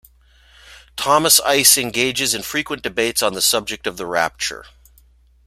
Thomas Ice engages in frequent debates on the subject of the Rapture.